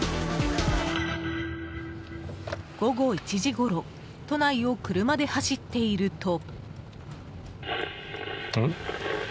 午後１時ごろ都内を車で走っていると。